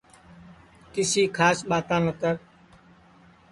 کسی کھاس ٻاتا نتر